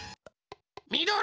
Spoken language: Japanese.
みどり。